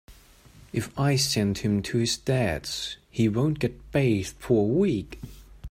If I send him to his Dad’s he won’t get bathed for a week.